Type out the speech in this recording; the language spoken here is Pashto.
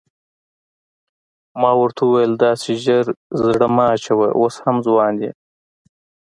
ما ورته وویل داسې ژر زړه مه اچوه اوس هم ځوان یې.